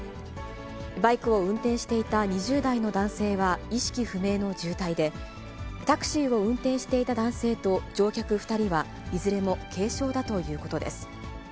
バイクを運転していた２０代の男性は意識不明の重体で、タクシーを運転していた男性と乗客２人はいずれも軽傷だということです。